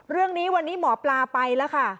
เรื่องนี้วันนี้หมอปลาไปแล้วค่ะ